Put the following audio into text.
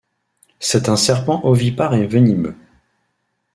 C'est un serpent ovipare et venimeux.